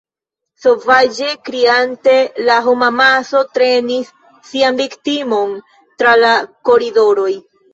Sovaĝe kriante, la homamaso trenis sian viktimon tra la koridoroj.